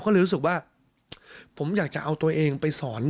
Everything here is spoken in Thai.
ขอโทษครับ